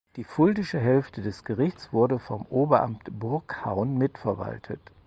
Die fuldische Hälfte des Gerichts wurde vom Oberamt Burghaun mitverwaltet.